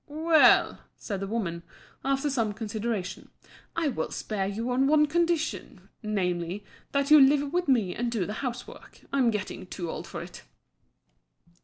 "Well," said the woman, after some consideration, "I will spare you on one condition, namely, that you live with me and do the housework; I'm getting too old for it."